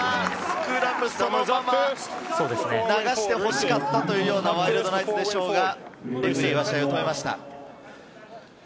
スクラム、そのまま流してほしかったというようなワイルドナイツでしょうが、レフェリーは試合を止めました。